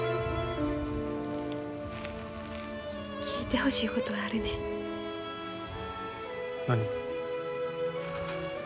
聞いてほしいことがあるねん。